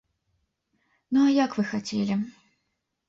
Ну, а як вы хацелі?